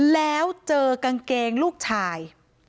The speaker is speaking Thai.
แล้วเจอกางเกงลูกชาย